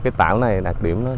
mà cái tạo này đặc điểm đó là